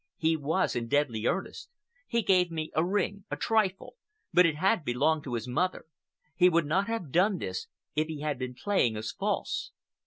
He was in deadly earnest. He gave me a ring—a trifle—but it had belonged to his mother. He would not have done this if he had been playing us false."